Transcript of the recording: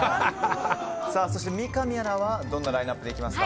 そして三上アナはどんなラインアップでいきますか。